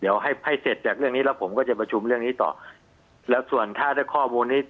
เดี๋ยวให้ให้เสร็จจากเรื่องนี้แล้วผมก็จะประชุมเรื่องนี้ต่อแล้วส่วนถ้าได้ข้อมูลนี้